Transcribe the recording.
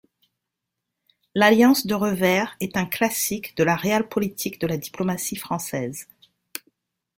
L'alliance de revers est un classique de la realpolitik de la diplomatie française.